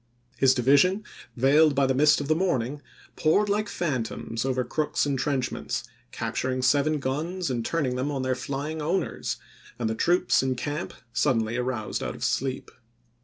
His division, veiled by the mist of the morning, poured like phantoms over Crook's in trenchments, capturing seven guns and turning them on their flying owners, and the troops in camp suddenly aroused out of sleep.